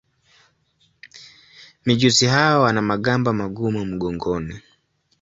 Mijusi hawa wana magamba magumu mgongoni.